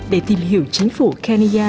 để tìm hiểu chính phủ kenya